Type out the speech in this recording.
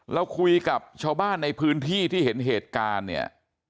เราคุยกับชาวบ้านในพื้นที่ที่เห็นเหตุการณ์เนี่ย